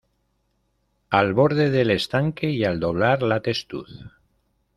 Al borde del estanque, y al doblar la testuz.